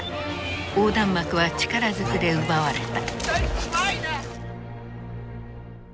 横断幕は力ずくで奪われた。